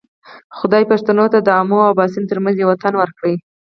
خدای پښتنو ته د آمو او باسین ترمنځ یو وطن ورکړی.